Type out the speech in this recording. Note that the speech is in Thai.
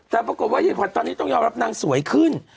จะปรากฏว่าเฮียภัทรตอนนี้ต้องยอมรับนางสวยขึ้น